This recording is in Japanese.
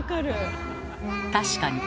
確かに。